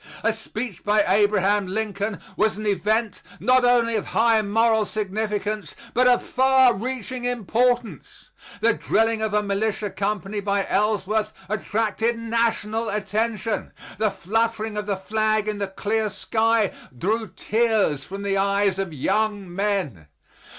A speech by Abraham Lincoln was an event not only of high moral significance, but of far reaching importance; the drilling of a militia company by Ellsworth attracted national attention; the fluttering of the flag in the clear sky drew tears from the eyes of young men.